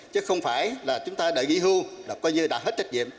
chứ không phải là chúng ta đã nghỉ hưu là coi như đã hết trách nhiệm